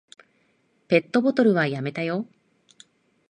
ペットボトルはやめたよ。